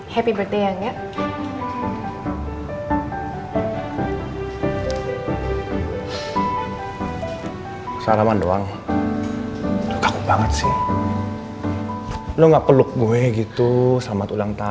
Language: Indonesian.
harga dalam sempurna